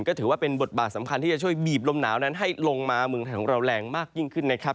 ก็ถือว่าเป็นบทบาทสำคัญที่จะช่วยบีบลมหนาวนั้นให้ลงมาเมืองไทยของเราแรงมากยิ่งขึ้นนะครับ